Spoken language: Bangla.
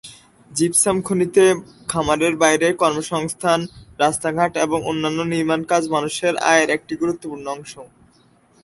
জিপসাম খনিতে খামারের বাইরে কর্মসংস্থান; রাস্তাঘাট এবং অন্যান্য নির্মাণ কাজ মানুষের আয়ের একটি গুরুত্বপূর্ণ উৎস।